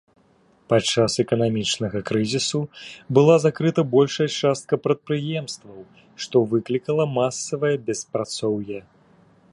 Падчас эканамічнага крызісу была закрыта большая частка прадпрыемстваў, што выклікала масавае беспрацоўе.